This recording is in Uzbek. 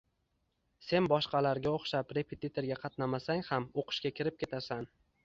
Sen boshqalarga o`xshab repetitorga qatnamasang ham, o`qishga kirib ketasan